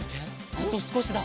あとすこしだ。